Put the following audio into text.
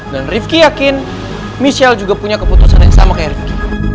dan riffy yakin michelle juga punya keputusan yang sama kayak riffy